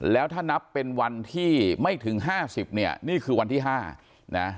แล้วถ้านับเป็นวันที่ไม่ถึง๕๐เนี่ยนี่คือวันที่๕นะ